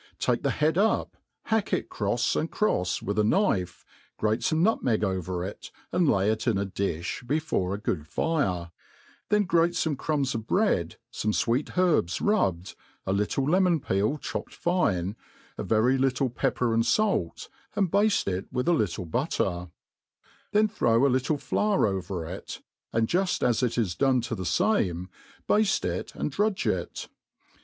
Take the head up, hack it crofs and crois with a knife, grate fome nutmeg over it, and lay it in a di(b, before a good fire ; then grace iome crumbs of bread, fome fweet herbs rubbed, a little iemon^peel chopped fine, a very little pepper and talt, and bafte it with a little butter: then throw a little fiogr over it, and juft as it w done do the fame^ bafte it and drudge ic.